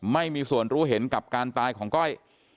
ไม่มีส่วนรู้เห็นกับการตายของก้อย